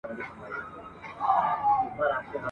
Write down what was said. د کنړ غرغړې اورم ننګرهار په سترګو وینم !.